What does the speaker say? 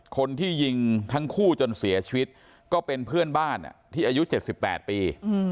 คนที่ยิงทั้งคู่จนเสียชีวิตก็เป็นเพื่อนบ้านที่อายุ๗๘ปี